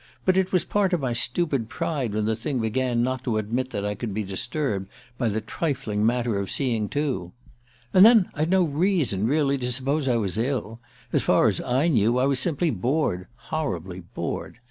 But it was part of my stupid pride, when the thing began, not to admit that I could be disturbed by the trifling matter of seeing two "And then I'd no reason, really, to suppose I was ill. As far as I knew I was simply bored horribly bored.